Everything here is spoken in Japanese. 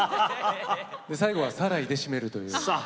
最後は「サライ」で締めるという。